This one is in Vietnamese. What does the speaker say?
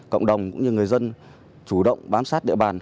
cộng đồng cũng như người dân chủ động bám sát địa bàn